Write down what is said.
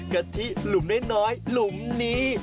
กะทิหลุมน้อยหลุมนี้